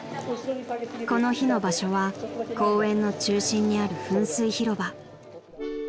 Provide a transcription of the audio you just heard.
［この日の場所は公園の中心にある噴水広場］